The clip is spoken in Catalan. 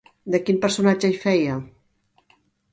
De quin personatge hi feia?